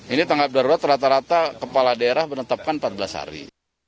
ini tanggap darurat rata rata kepala daerah menetapkan empat belas hari